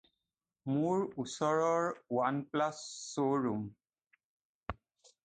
মোৰ ওচৰৰ ৱানপ্লাছৰ শ্ব’ৰুম